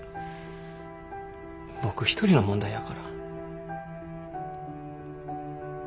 僕一人の問題やから。